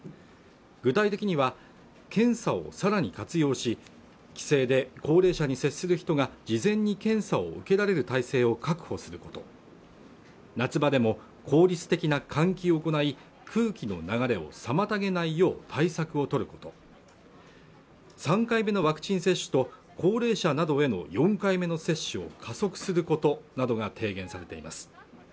具体的には検査をさらに活用し帰省で高齢者に接する人が事前に検査を受けられる体制を確保すること夏場でも効率的な換気を行い空気の流れを妨げないよう対策を取ること３回目のワクチン接種と高齢者などへの４回目の接種を加速することなどが提言されています